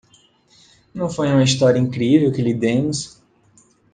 Não foi uma história incrível que lhe demos?